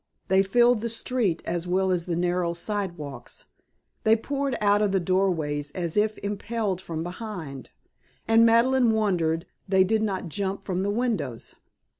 They filled the street as well as the narrow sidewalks, they poured out of the doorways as if impelled from behind, and Madeleine wondered they did not jump from the windows.